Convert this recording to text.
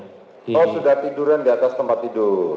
kalau sudah tiduran di atas tempat tidur